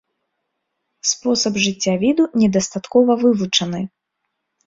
Спосаб жыцця віду недастаткова вывучаны.